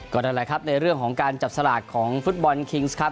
นั่นแหละครับในเรื่องของการจับสลากของฟุตบอลคิงส์ครับ